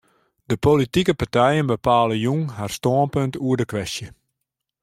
De politike partijen bepale jûn har stânpunt oer de kwestje.